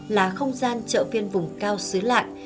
là không gian chợ viên vùng cao xứ lạng